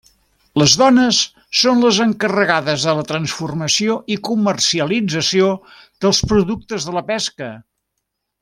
Les dones són les encarregades de la transformació i comercialització dels productes de la pesca.